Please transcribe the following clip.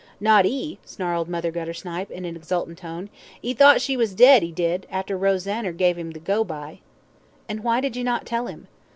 "Not 'e," snarled Mother Guttersnipe, in an exultant tone. "'E thought she was dead, 'e did, arter Rosanner gave him the go by." "And why did you not tell him?"